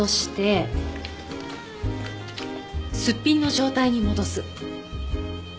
すっぴんの状態に戻す。